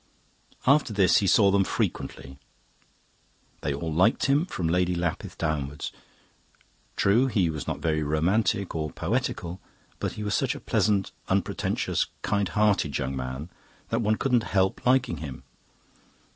"After this he saw them frequently. They all liked him, from Lady Lapith downwards. True, he was not very romantic or poetical; but he was such a pleasant, unpretentious, kind hearted young man, that one couldn't help liking him.